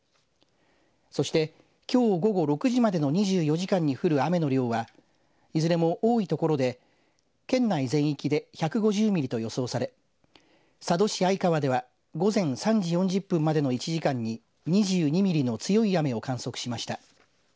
そしてきょう午後６時までの２４時間に降る雨の量はいずれも多い所で県内全域で１５０ミリと予想され佐渡市相川では午前３時４０分までの１時間に２２ミリの強い雨を観測しました。